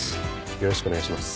よろしくお願いします。